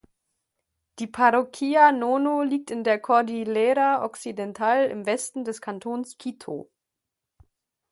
Die Parroquia Nono liegt in der Cordillera Occidental im Westen des Kantons Quito.